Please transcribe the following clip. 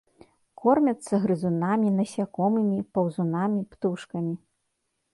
Кормяцца грызунамі, насякомымі, паўзунамі, птушкамі.